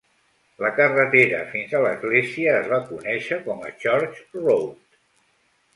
La carretera fins a l'església es va conèixer com a Church Road.